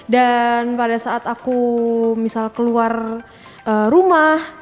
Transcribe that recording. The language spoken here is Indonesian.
dan pada saat aku misal keluar rumah